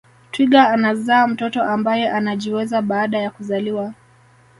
Twiga anazaa mtoto ambaye anajiweza baada ya kuzaliwa